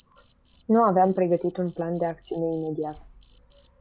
Nu aveam pregătit un plan de acțiune imediat.